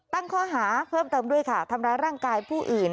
ตั้งข้อหาเพิ่มเติมด้วยค่ะทำร้ายร่างกายผู้อื่น